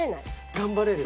頑張れる！